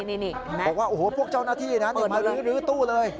บอกว่าโอ้โหพวกเจ้าหน้าที่นะมารื้อตู้เลย